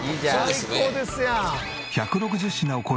「最高ですやん！」